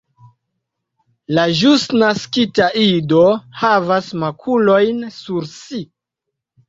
La ĵus naskita ido havas makulojn sur si.